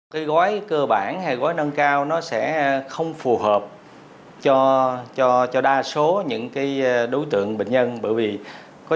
cái gói cơ bản hay gói nâng cao nó sẽ không phù hợp cho đa số những đối tượng bệnh nhân bởi vì